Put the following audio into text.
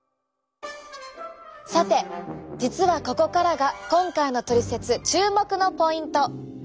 さて実はここからが今回のトリセツ注目のポイント。